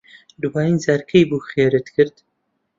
دوایین جار کەی بوو خێرت کرد؟